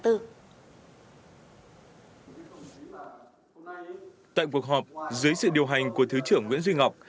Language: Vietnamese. tại cuộc họp dưới sự điều hành của thứ trưởng nguyễn duy ngọc